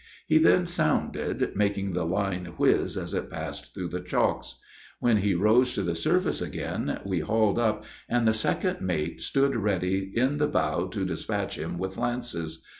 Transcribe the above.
He then sounded, making the line whiz as it passed through the chocks. When he rose to the surface again, we hauled up, and the second mate stood ready in the bow to dispatch him with lances.